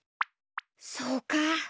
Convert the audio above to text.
そうか！